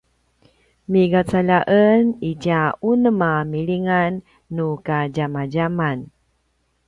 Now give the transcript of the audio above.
migacalj a en itja unem a milingan nu kadjamadjaman